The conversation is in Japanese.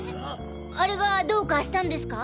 あれがどうかしたんですか？